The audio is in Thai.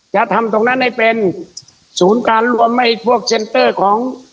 จะทำตรงนั้นให้เป็นศูนย์การรวมไอ้พวกเซ็นเตอร์ของ